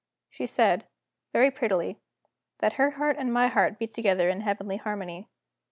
She said, very prettily, that her heart and my heart beat together in heavenly harmony.